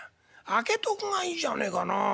開けとくがいいじゃねえかなあ。